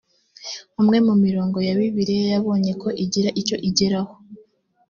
umwe mu mirongo ya bibiliya yabonye ko igira icyo igeraho